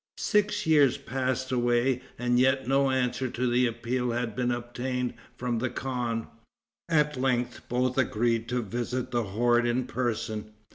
Six years passed away, and yet no answer to the appeal had been obtained from the khan. At length both agreed to visit the horde in person.